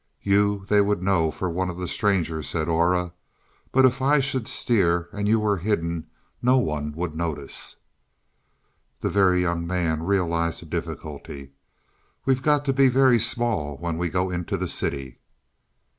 "You they would know for one of the strangers," said Aura. "But if I should steer and you were hidden no one would notice." The Very Young Man realized a difficulty. "We've got to be very small when we go into the city."